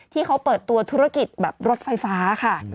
ที่เขาเปิดตัวธุรกิจแบบรถไฟฟ้าค่ะ